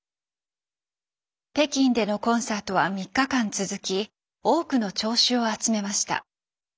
北京でのコンサートは３日間続き多くの聴衆を集めました。